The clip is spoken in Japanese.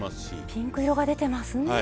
ピンク色が出てますね。